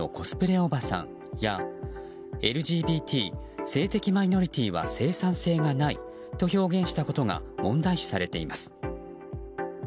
おばさんやＬＧＢＴ・性的マイノリティーは生産性がないと表現したことが問題視されています。